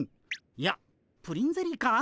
いやプリンゼリーか？